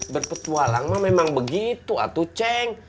berpetualang mah memang begitu aku ceng